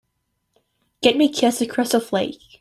Get me Kiss the Crystal Flake